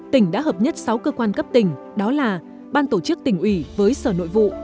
tỉnh đã hợp nhất sáu cơ quan cấp tỉnh đó là ban tổ chức tỉnh ủy với sở nội vụ